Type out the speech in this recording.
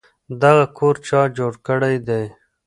دغه کور چا جوړ کړی دی؟